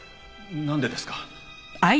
なんでですか？